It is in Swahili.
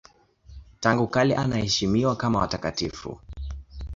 Tangu kale anaheshimiwa kama watakatifu.